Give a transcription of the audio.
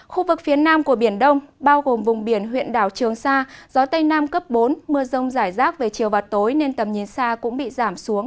khu vực phía nam của biển đông bao gồm vùng biển huyện đảo trường sa gió tây nam cấp bốn mưa rông rải rác về chiều và tối nên tầm nhìn xa cũng bị giảm xuống